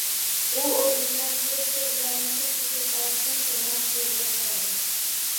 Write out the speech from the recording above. U o`rnidan turib, ko`zlarini katta-katta ochgancha Maksuelga qaradi